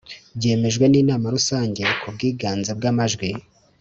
Byemejwe n’Inama Rusange ku bwiganze bw’amajwi